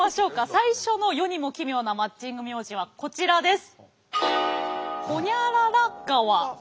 最初の世にも奇妙なマッチング名字はこちらです。